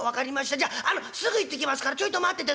じゃあのすぐ行ってきますからちょいと待ってて。